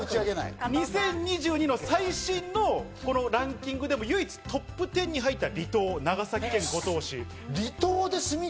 ２０２２の最新のランキングでも唯一トップ１０に入った離島、長崎県五島市。